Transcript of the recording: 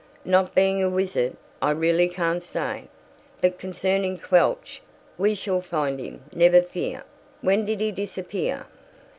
"Not being a wizard, I really can't say; but concerning Quelch, we shall find him, never fear. When did he disappear?"